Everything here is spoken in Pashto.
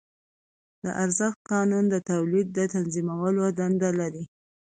د ارزښت قانون د تولید تنظیمولو دنده لري